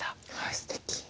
すてき。